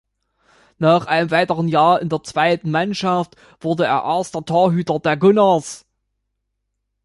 Nach einem weiteren Jahr in der zweiten Mannschaft wurde er erster Torhüter der Gunners.